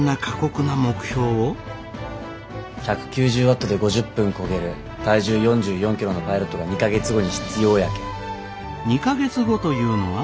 １９０ワットで５０分こげる体重４４キロのパイロットが２か月後に必要やけん。